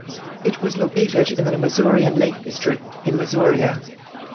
It was located in the Masurian Lake District in Masuria.